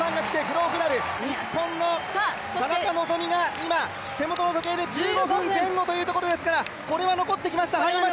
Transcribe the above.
日本の田中希実が今、手元の時計で１５分前後というところですから、これは残ってきました。